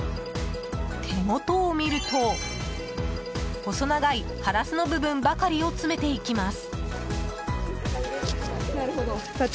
手元を見ると細長い、ハラスの部分ばかりを詰めていきます。